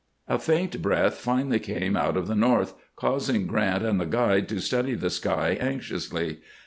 A faint breath finally came out of the north, causing Grant and the guide to study the sky anxiously.